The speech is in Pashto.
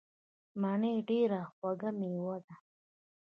مڼې ډیره خوږه میوه ده.